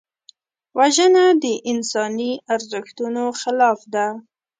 وژنه د انساني ارزښتونو خلاف ده